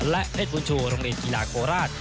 และเพชรบุญชูโรงเรียนกีฬาโคราช